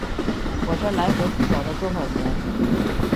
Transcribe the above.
火车来回不晓得多少钱